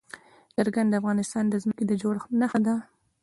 چرګان د افغانستان د ځمکې د جوړښت نښه ده.